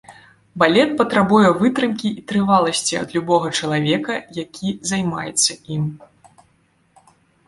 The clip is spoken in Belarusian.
Балет патрабуе вытрымкі і трываласці ад любога чалавека, які займаецца ім.